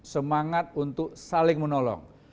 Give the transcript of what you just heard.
semangat untuk saling menolong